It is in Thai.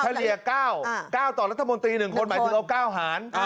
เลี่ย๙๙ต่อรัฐมนตรี๑คนหมายถึงเอา๙หาร